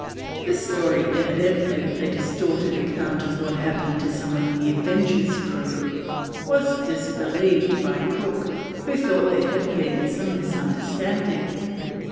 This story, evidently a distorted account of what happened to some of the Adventure's crew, was disbelieved by Cook, who thought there had been some misunderstanding.